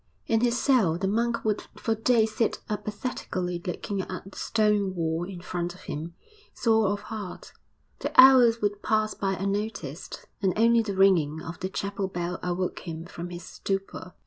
V In his cell the monk would for days sit apathetically looking at the stone wall in front of him, sore of heart; the hours would pass by unnoticed, and only the ringing of the chapel bell awoke him from his stupor.